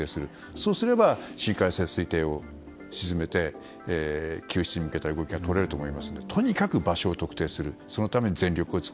そうすれば深海へ沈めて救出に向けた動きが取れると思いますのでとにかく場所を特定することです。